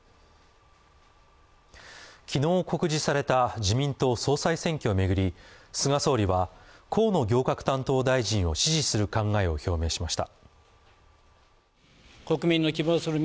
昨日告示された自民党総裁選挙を巡り菅総理は、河野行革担当大臣を支持する考えを表明しました。